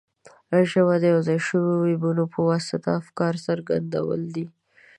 ژبه د یو ځای شویو وییونو په واسطه د افکارو څرګندول دي.